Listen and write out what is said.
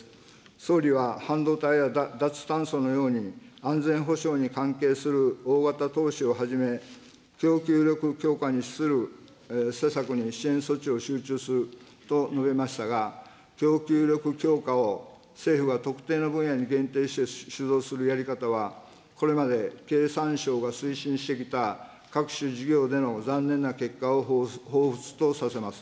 総理は半導体や脱炭素のように安全保障に関係する大型投資をはじめ、供給力強化に資する施策に支援措置を集中すると述べましたが、供給力強化を政府が特定の分野に限定して主導するやり方は、これまで経産省が推進してきた各種事業での残念な結果をほうふつとさせます。